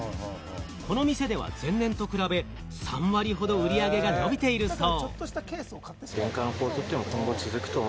この店では前年と比べ、３割ほど売り上げが伸びているそう。